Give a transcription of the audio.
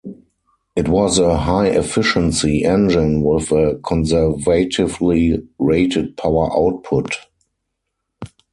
It was a "high-efficiency" engine with a conservatively rated power output.